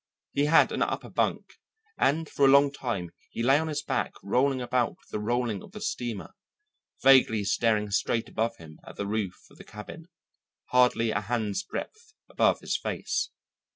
He had an upper bunk, and for a long time he lay on his back rolling about with the rolling of the steamer, vaguely staring straight above him at the roof of the cabin, hardly a hand's breadth above his face.